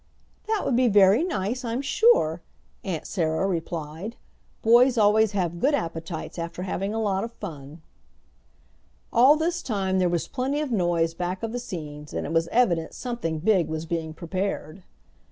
"That would be very nice, I'm sure," Aunt Sarah replied; "boys always have good appetites after having a lot of fun." All this time there was plenty of noise back of the scenes, and it was evident something big was being prepared.